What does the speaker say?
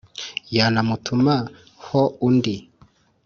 y a namutuma ho u nd i